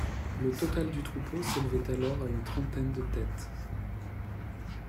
Le total du troupeau s’élevait alors à une trentaine de têtes.